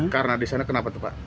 karena di sana kenapa tuh pak